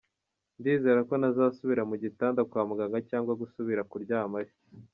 Ndizera ko ntazasubira mu gitanda kwa muganga cyangwa gusubira kuryamayo.